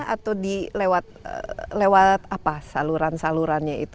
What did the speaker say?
atau dilewat saluran salurannya itu